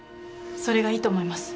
それがいいと思います。